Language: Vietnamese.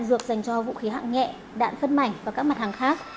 dược dành cho vũ khí hạng nhẹ đạn phân mảnh và các mặt hàng khác